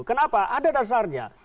kenapa ada dasarnya